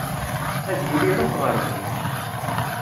Ad yili iruḥ ɣer din.